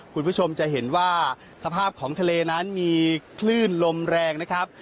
คุณผู้ชมจะเห็นว่าสภาพของทะเลนั้นมีคลื่นลมแรงนะครับ